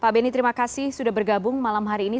pak benny terima kasih sudah bergabung malam hari ini